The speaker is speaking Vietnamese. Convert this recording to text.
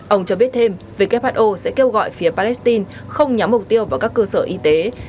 ông cho biết thêm who sẽ kêu gọi phía palestine không nhắm mục tiêu vào các cơ sở y tế